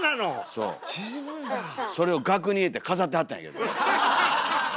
それを額に入れて飾ってはったんやけど。